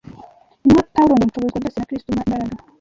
intumwa Pawulo ngo Nshobozwa byose na Kristo umpa imbaraga